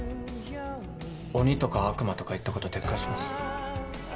鬼とか悪魔とか言ったこと撤回します。